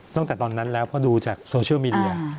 ตั้งแต่ตอนนั้นแล้วเพราะดูจากโซเชียลมีเดีย